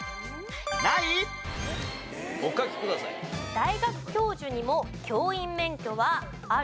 大学教授にも教員免許はある？